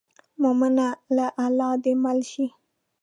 مومنه له الله دې مل شي.